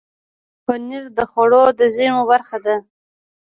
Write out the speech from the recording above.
پنېر د خوړو د زېرمو برخه ده.